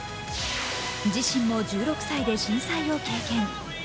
自身も１６歳で震災を経験。